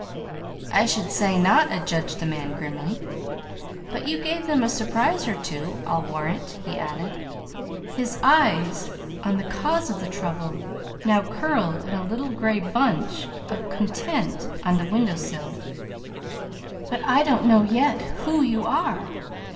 "I should say not," adjudged the man grimly. "But you gave them a surprise or two, I'll warrant," he added, his eyes on the cause of the trouble, now curled in a little gray bunch of content on the window sill. "But I don't know yet who you are.